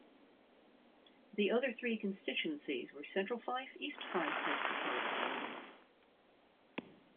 The other three constituencies were Central Fife, East Fife and Kirkcaldy.